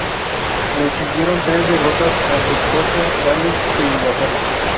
Le siguieron tres derrotas ante Escocia, Gales e Inglaterra.